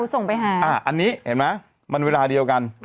จะส่งไปหาอันนี้มันเวลาเดียวกัน